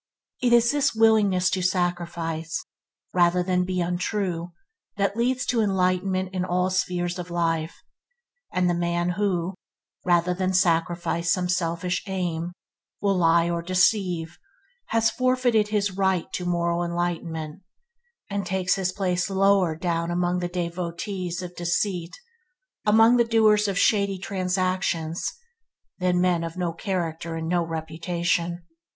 It is this willingness to sacrifice rather than be untrue that leads to enlightenment in all spheres of life; and the man who, rather than sacrifice some selfish aim, will lie or deceive, has forfeited his right to moral enlightenment, and takes his place lower down among the devotees of deceit, among the doers of shady transactions, than men of no character and no reputation.